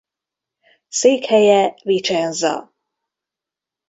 Székhelye Vicenza.